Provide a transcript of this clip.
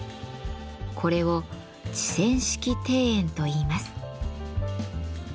これを「池泉式庭園」といいます。